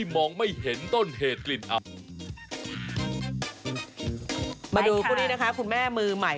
มาดูคู่นี้นะคะคุณแม่มือใหม่